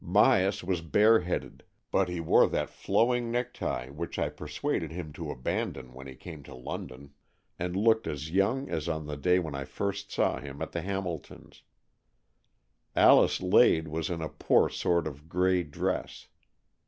Myas was bare headed, but he wore that flowing necktie wTich I persuaded him to abandon when he came to London, and looked as young as on the day when I saw him at the Hamiltons'. Alice Lade was in a poor sort of grey dress.